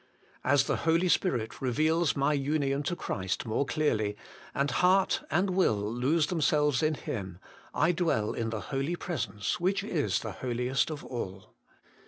' As the Holy Spirit reveals my union to Christ more clearly, and heart and will lose themselves in Him, I dwell in the Holy Presence, which is the Holiest of all.